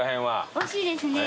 おいしいですね。